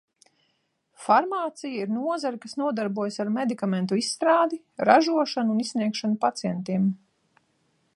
Farmācija ir nozare, kas nodarbojas ar medikamentu izstrādi, ražošanu un izsniegšanu pacientiem.